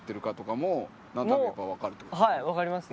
はい分かりますね。